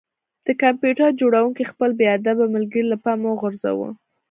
د کمپیوټر جوړونکي خپل بې ادبه ملګری له پامه وغورځاوه